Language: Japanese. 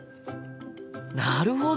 なるほど！